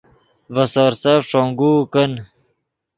ڤے سورسف ݯونگوؤ کن